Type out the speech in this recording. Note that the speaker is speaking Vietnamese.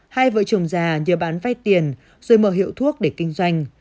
hai vợ chồng già nhờ bán vay tiền rồi mở hiệu thuốc để kinh doanh